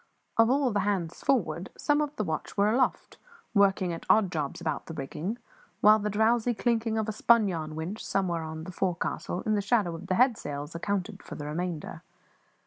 Of the hands forward, some of the watch were aloft, working at odd jobs about the rigging, while the drowsy clinking of a spunyarn winch somewhere on the forecastle, in the shadow of the head sails, accounted for the remainder.